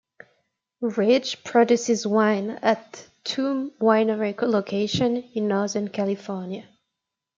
Ridge produces wine at two winery locations in northern California.